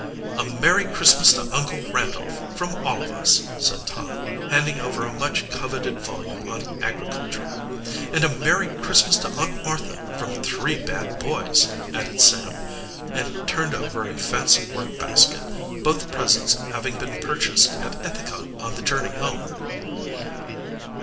"A merry Christmas to Uncle Randolph from all of us," said Tom, handing over a much coveted volume on agriculture. "And a merry Christmas to Aunt Martha from three bad boys," added Sam, and turned over a fancy work basket, both presents having been purchased at Ithaca on the journey home.